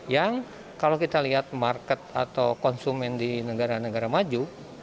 yang kalau kita lihat market atau konsumen di negara negara maju